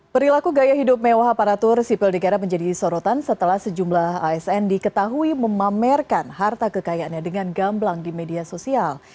perilaku gaya hidup mewah aparatur sipil negara menjadi sorotan setelah sejumlah asn diketahui memamerkan harta kekayaannya dengan gamblang di media sosial